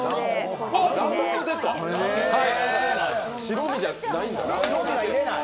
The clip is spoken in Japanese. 白身じゃないんだな。